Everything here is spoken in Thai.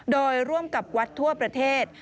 โดยร่วมกับวัดทั่วประเทศ